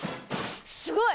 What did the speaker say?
すごい！